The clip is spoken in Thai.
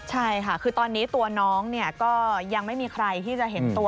ใช่ค่ะคือตอนนี้ตัวน้องเนี่ยก็ยังไม่มีใครที่จะเห็นตัว